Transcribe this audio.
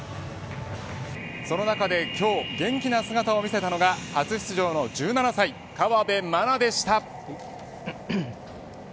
その中で今日元気な姿を見せたのが初出場の１７歳河辺愛菜でした。